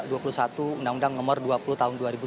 dua puluh satu undang undang nomor dua puluh tahun dua ribu satu